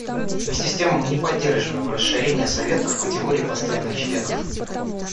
Вместе с тем мы не поддерживаем расширение Совета в категории постоянных членов.